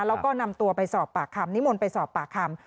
แล้วก็นำตัวไปสอบปากคำนิมนต์ไปสอบปากคำ